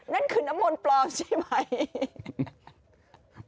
นั่นคือน้ำมนต์ปลอมใช่ไหม